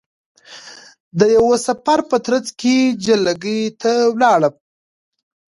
د یوه سفر په ترځ کې جلگې ته ولاړم،